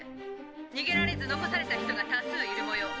逃げられず残された人が多数いるもよう。